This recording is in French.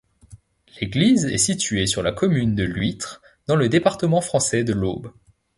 L'église est située sur la commune de Lhuître, dans le département français de l'Aube.